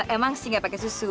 emang sih gak pake susu